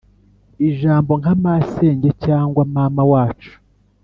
ijambo nka masenge cyangwa mama wacu